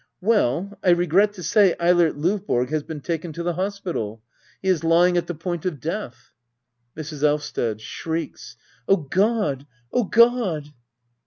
] Well, I regret to say Eilert LOvborg has been taken to the hospital. He is lying at the point of death. Mrs. Elvsted. [Shrieks.] Oh God ! oh God